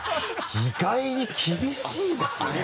意外に厳しいですね。